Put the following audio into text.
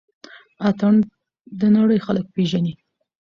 اتڼ د نړۍ خلک پيژني